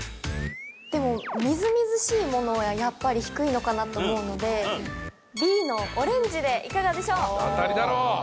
でもみずみずしいものはやっぱり低いのかなと思うのでＢのオレンジでいかがでしょう？